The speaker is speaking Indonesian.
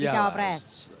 untuk jadi cawapres